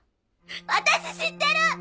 私知ってる！